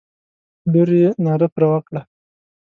لور یې ناره پر وکړه.